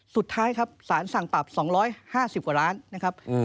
สุดท้ายครับสารสั่งปรับ๒๕๐กว่าล้านนะครับ